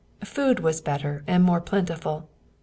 Food was better and more plentiful.